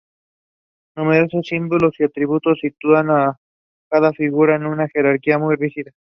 Numerosos símbolos y atributos sitúan a cada figura en una jerarquía muy rígida.